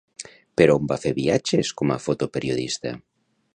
Per on va fer viatges com a fotoperiodista?